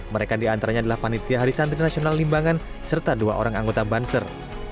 mereka diantaranya adalah panitia hari santri nasional limbangan serta dua orang anggota banser